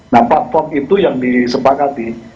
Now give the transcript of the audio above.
nah pak provok itu yang disepakati